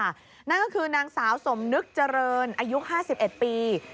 นั่นก็คือนางสาวสมนึกเจริญอายุ๕๑ปี